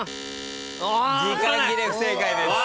時間切れ不正解です。